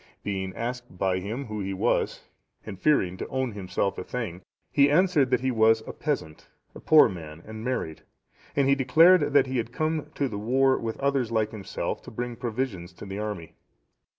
(678) Being asked by him who he was, and fearing to own himself a thegn, he answered that he was a peasant, a poor man and married, and he declared that he had come to the war with others like himself to bring provisions to the army.